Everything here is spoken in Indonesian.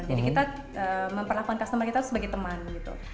jadi kita memperlakukan customer kita sebagai teman gitu